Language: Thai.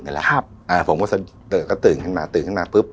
เดี๋ยวจริงกันแล้วครับอ่าผมก็ตื่นขึ้นมาตื่นขึ้นมาปุ๊บ